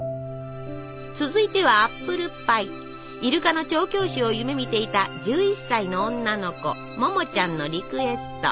続いてはイルカの調教師を夢みていた１１歳の女の子ももちゃんのリクエスト。